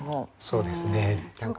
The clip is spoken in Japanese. そうですね。